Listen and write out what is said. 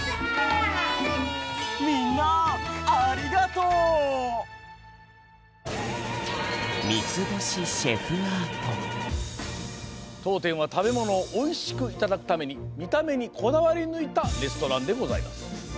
１２３４５！とうてんは食べ物をおいしくいただくためにみためにこだわりぬいたレストランでございます。